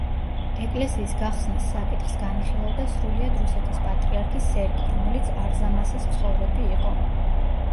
ეკლესიის გახსნის საკითხს განიხილავდა სრულიად რუსეთის პატრიარქი სერგი, რომელიც არზამასის მცხოვრები იყო.